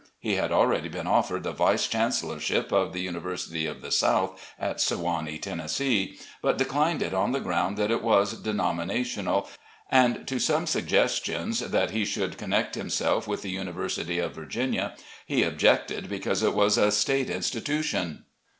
He had already been offered the vice chancellorship of the "University of the South," at Sewanee, Tennessee, but declined it on the grovmd that it was denominational, and to some suggestions that he should connect himself with the University of Virginia he objected because it was a State institution.